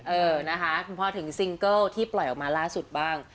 เออนะคะคุณพ่อถึงซิงเกิลที่ปล่อยออกมาล่าสุดบ้าง